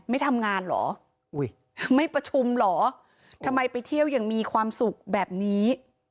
ไม่ทำงานเหรออุ้ยไม่ประชุมเหรอทำไมไปเที่ยวอย่างมีความสุขแบบนี้